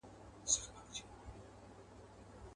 برابره یې قسمت کړه پر ده لاره.